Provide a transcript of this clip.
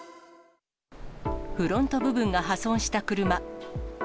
フロント部分が破損した車。